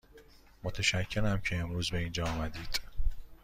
متشکرم که امروز به اینجا آمدید.